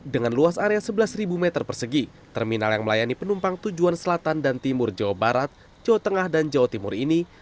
dengan luas area sebelas meter persegi terminal yang melayani penumpang tujuan selatan dan timur jawa barat jawa tengah dan jawa timur ini